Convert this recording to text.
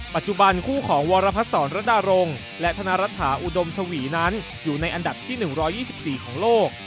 ปัจจุบันคู่ของวรพัฒนศรรดารงและธนรัฐฐาอุดมชวีนั้นอยู่ในอันดับที่๑๒๔ของโลก